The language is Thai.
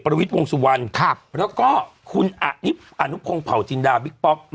วิทย์วงสุวรรณแล้วก็คุณอนุพงศ์เผาจินดาบิ๊กป๊อก